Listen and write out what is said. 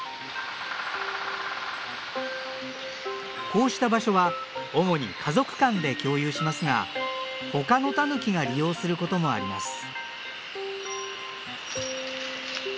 こうした場所は主に家族間で共有しますが他のタヌキが利用することもあります。